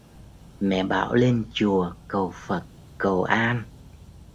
mẹ bảo lên chùa cầu phật cầu an